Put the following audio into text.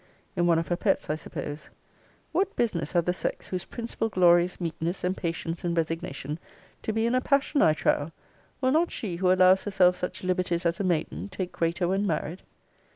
In one of her pets, I suppose! What business have the sex, whose principal glory is meekness, and patience, and resignation, to be in a passion, I trow? Will not she who allows herself such liberties as a maiden take greater when married?